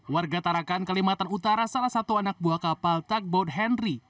warga tarakan kalimantan utara salah satu anak buah kapal tugboat henry